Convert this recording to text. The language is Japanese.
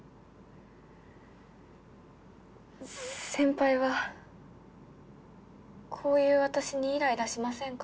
先輩はこういう私にイライラしませんか？